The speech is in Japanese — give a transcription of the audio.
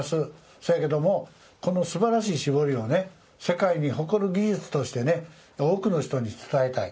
そやけどもこのすばらしい絞りを世界に誇る技術として多くの人に伝えたい。